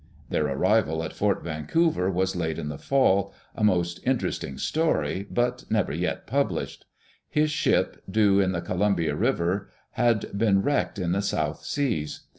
Their arrival at Fort Vancouver was late in the fall, a most inter esting story, but never yet published. His ship, due in the Coliunbia River, had been wrecked in the South Seas.